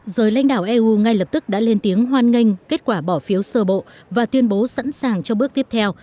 giới lãnh đạo eu ngay lập tức đã lên tiếng hoan nghênh kết quả bỏ phiếu sơ bộ và tuyên bố sẵn sàng cho bước tiếp theo